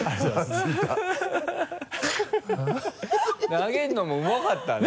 投げるのもうまかったね。